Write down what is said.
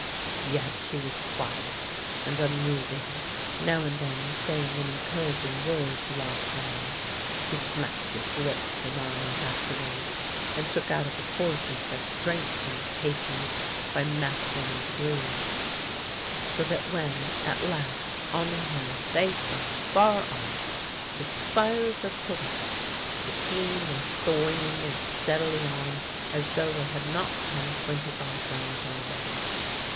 Yet she was quiet and un moving, now and then saying an encouraging word to Lapierre, who smacked his lips for miles afterwards, and took out of his horses their strength and paces by THE LANE THAT HAD NO TURNING 55 masterly degrees. So that when, at last, on the hill, they saw, far off,. the spires of Quebec, the team was swinging as steadily on as though they had not come twenty five miles already.